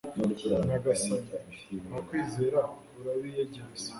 nyagasani; abakwizera urabiyegereza